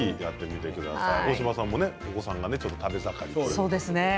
大島さんも、お子さんが食べ盛りですよね。